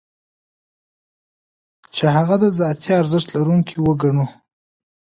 چې هغه د ذاتي ارزښت لرونکی وګڼو.